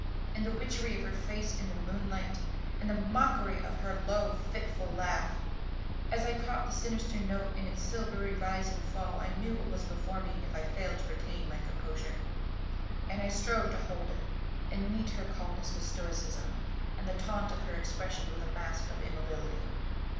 And the witchery of her face in the moonlight; and the mockery of her low fitful laugh! As I caught the sinister note in its silvery rise and fall, I knew what was before me if I failed to retain my composure. And I strove to hold it and to meet her calmness with stoicism and the taunt of her expression with a mask of immobility.